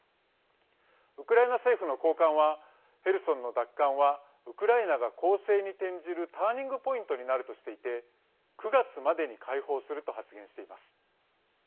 ウクライナ政府の高官はヘルソンの奪還はウクライナが攻勢に転じるターニングポイントになるとしていて９月までに解放すると発言しています。